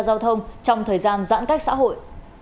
giao thông trong thời gian giãn cách xã hội